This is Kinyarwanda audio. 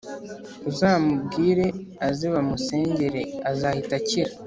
Uzamubwire aze bamusengere azahita akira